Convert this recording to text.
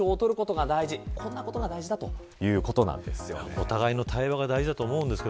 お互いの対話が大事だと思いますが。